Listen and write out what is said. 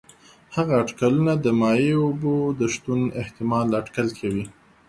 هغه اټکلونه د مایع اوبو د شتون احتمال اټکل کوي.